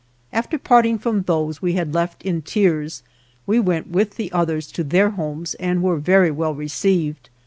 A'fter parting from those we had left in tears, we went with the others to their homes and were very well received.